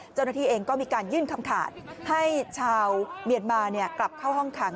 เจ้าหน้าที่เองก็มีการยื่นคำขาดให้ชาวเมียนมากลับเข้าห้องขัง